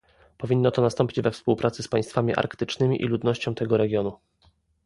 Powinno to nastąpić we współpracy z państwami arktycznymi i ludnością tego regionu